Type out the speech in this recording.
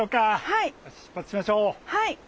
はい。